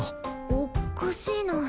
おっかしいな。